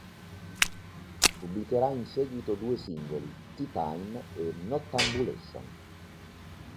Pubblicherà in seguito due singoli: "Tea Time" e "Nottambulation".